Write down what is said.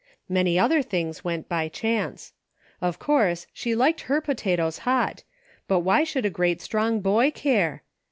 Many other things went by chance ; of course, she liked her potatoes hot, but why should a great strong boy care